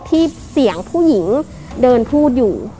ที่เสียงผู้หญิงเดินพูดอยู่